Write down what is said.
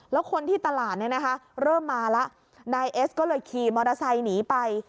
แล้วคนที่ตลาดเนี่ยนะคะเริ่มมาแล้วนายเอสก็เลยขี่มอเตอร์ไซค์หนีไป